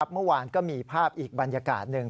เมื่อวานก็มีภาพอีกบรรยากาศหนึ่ง